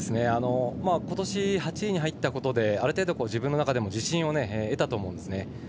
今年８位に入ったことである程度、自分の中でも自信を得たと思います。